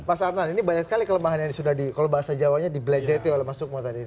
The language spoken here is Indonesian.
mas arnan ini banyak sekali kelemahan yang sudah kalau bahasa jawanya di belajari oleh mas sukmo tadi